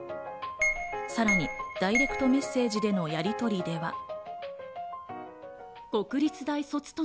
さらにダイレクトメッセージでのやりとりでは。